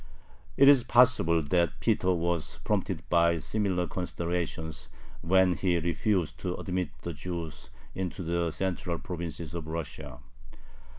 It is possible that Peter was prompted by similar considerations when he refused to admit the Jews into the central provinces of Russia.